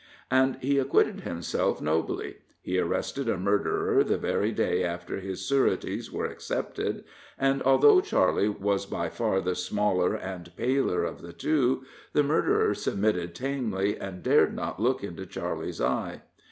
And he acquitted himself nobly. He arrested a murderer the very day after his sureties were accepted, and although Charley was by far the smaller and paler of the two, the murderer submitted tamely, and dared not look into Charley's eye.